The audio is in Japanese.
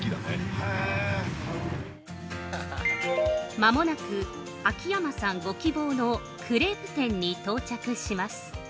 ◆間もなく秋山さんご希望のクレープ店に到着します。